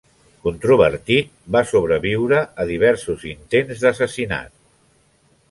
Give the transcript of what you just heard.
Controvertit, va sobreviure a diversos intents d'assassinat.